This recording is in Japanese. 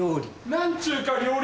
なんちゅうか料理。